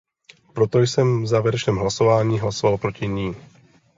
Proto jsem v závěrečném hlasování hlasoval proti ní.